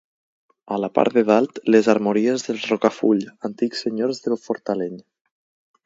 A la part de dalt, les armories dels Rocafull, antics senyors de Fortaleny.